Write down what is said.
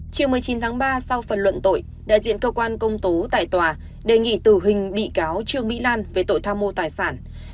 chiều một mươi chín tháng ba sau phần luận tội đại diện cơ quan công tố tại tòa đề nghị tử hình bị cáo trương mỹ lan về tội tham mô tài sản